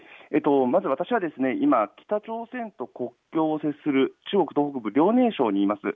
今、北朝鮮と国境を接する中国東北部遼寧省にいます。